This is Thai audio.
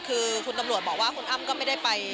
คือคุณตำรวจบอกว่าคุณอ้ำก็ไม่ได้ไป